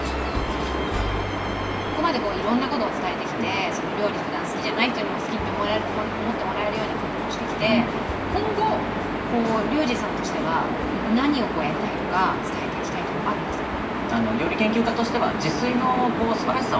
ここまでいろんなことを伝えてきて料理ふだん好きじゃない人にも好きって思ってもらえるように工夫もしてきて今後リュウジさんとしては何をやりたいとか伝えていきたいっていうのはあるんですか？